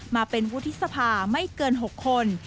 มาเป็นวุฒิสภาไม่เกิน๖คน